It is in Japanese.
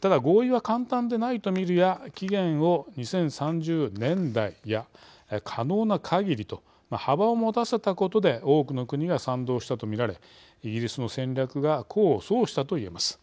ただ合意は簡単でないとみるや期限を２０３０年代や可能なかぎりと幅を持たせたことで多くの国が賛同したとみられイギリスの戦略が功を奏したといえます。